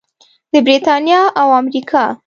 د بریتانیا او امریکا.